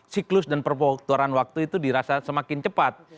siklus dan perpuktoran waktu itu dirasa semakin cepat